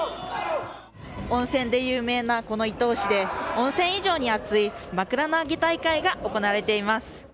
温泉で有名な伊東市で温泉以上に熱いまくら投げ大会が行われています。